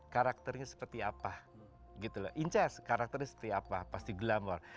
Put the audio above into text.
karakternya seperti apa gitu loh incest karakternya seperti apa pasti glamour